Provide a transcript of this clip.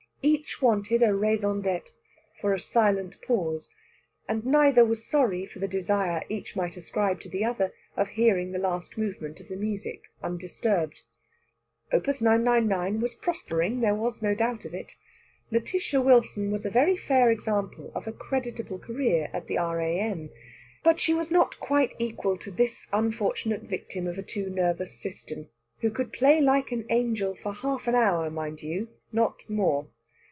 Each wanted a raison d'être for a silent pause, and neither was sorry for the desire each might ascribe to the other of hearing the last movement of the music undisturbed. Op. 999 was prospering, there was no doubt of it! Lætitia Wilson was a very fair example of a creditable career at the R.A.M. But she was not quite equal to this unfortunate victim of a too nervous system, who could play like an angel for half an hour, mind you not more.